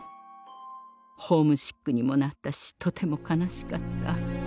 ホームシックにもなったしとても悲しかった。